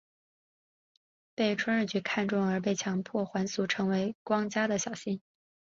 被春日局看中而被强迫还俗成为家光的小姓。